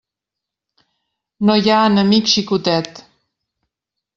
No hi ha enemic xicotet.